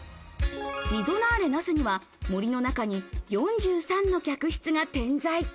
リゾナーレ那須には森の中に４３の客室が点在。